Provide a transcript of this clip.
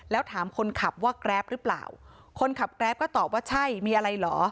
แล้วถามคนขับว่าแกรปหรือเปล่าคนขับแกรปก็ตอบว่าใช่มีอะไรเหรอ